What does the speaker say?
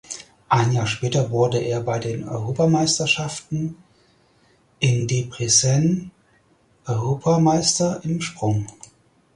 Ein Jahr später wurde er bei den Europameisterschaften in Debrecen Europameister im Sprung.